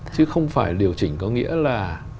chứ không phải điều chỉnh có nghĩa là